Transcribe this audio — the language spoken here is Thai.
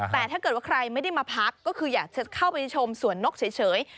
แต่ถ้าเกิดว่าใครไม่ได้มาพักก็คืออยากจะเข้าไปชมสวนนกเฉย